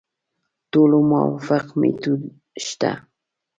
ټولو موافق میتود شته.